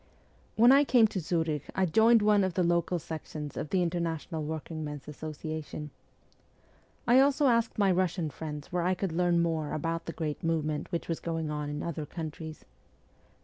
When I came to Zurich I joined one of the local sections of the International Workingmen's Associa tion. I also asked my Russian friends where I could learn more about the great movement which was going on in other countries.